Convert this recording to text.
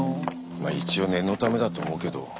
まあ一応念のためだと思うけど。